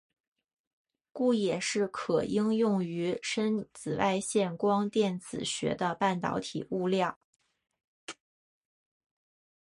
故也是可应用于深紫外线光电子学的半导体物料。